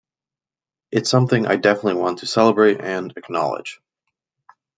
It's something I definitely want to celebrate and acknowledge.